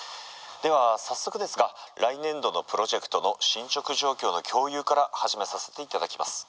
では早速ですが来年度のプロジェクトの進捗状況の共有から始めさせていただきます。